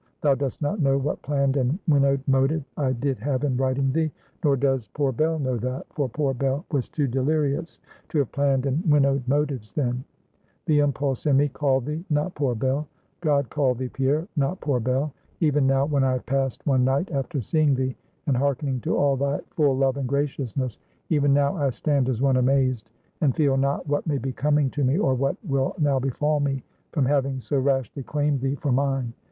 Thou dost not know what planned and winnowed motive I did have in writing thee; nor does poor Bell know that; for poor Bell was too delirious to have planned and winnowed motives then. The impulse in me called thee, not poor Bell. God called thee, Pierre, not poor Bell. Even now, when I have passed one night after seeing thee, and hearkening to all thy full love and graciousness; even now, I stand as one amazed, and feel not what may be coming to me, or what will now befall me, from having so rashly claimed thee for mine.